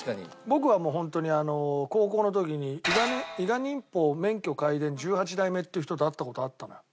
僕はもうホントに高校の時に伊賀忍法免許皆伝１８代目っていう人と会った事あったのよ。